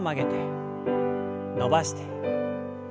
伸ばして。